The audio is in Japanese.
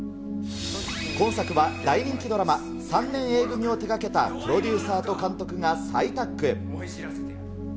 今作は大人気ドラマ、３年Ａ組を手がけたプロデューサーと監督が再タッグ。